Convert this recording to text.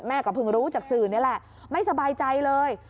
เพิ่งรู้จากสื่อนี่แหละไม่สบายใจเลย